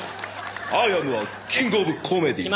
アイアムアキングオブコメディー。